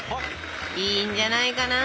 いいんじゃないかな。